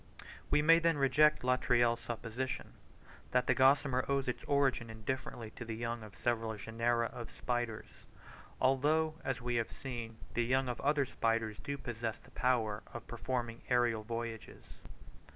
We may then reject Latreille's supposition, that the gossamer owes its origin indifferently to the young of several genera of spiders: although, as we have seen, the young of other spiders do possess the power of performing aerial voyages.